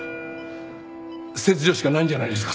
切除しかないんじゃないですか？